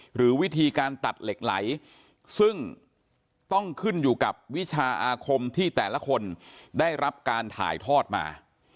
หรือวิธีการตัดเหล็กไหลซึ่งต้องขึ้นอยู่กับวิชาอาคมที่แต่ละคนได้รับการถ่ายทอดมา